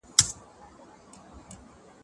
ايا ته کښېناستل کوې!.